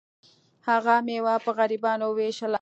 هغه میوه په غریبانو ویشله.